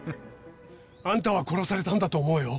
あんたは殺されたんだと思うよ。